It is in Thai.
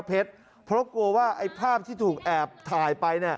เพราะกลัวว่าไอ้ภาพที่ถูกแอบถ่ายไป